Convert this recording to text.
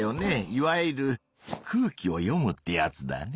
いわゆる空気を読むってやつだね。